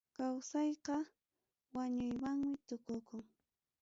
Kawsayqa wañuywanmi tukukun.